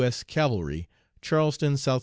S. Cavalry. "'CHARLESTON, S.C.